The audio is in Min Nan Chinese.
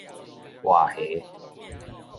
活蝦